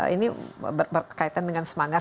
ini berkaitan dengan semangat